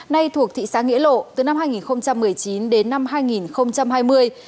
nay thuộc thị xã nghĩa lộ từ năm hai nghìn một mươi chín đến năm hai nghìn hai mươi